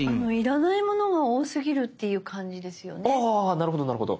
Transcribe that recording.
なるほどなるほど。